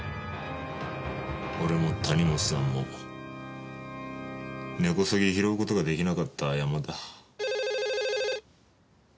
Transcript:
俺も谷本さんも根こそぎ拾う事が出来なかったヤマだ。